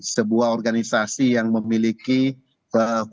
sebuah organisasi yang memiliki hubungan sejarah